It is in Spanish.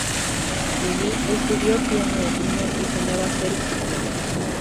Mimi estudió piano de niña y soñaba ser gimnasta.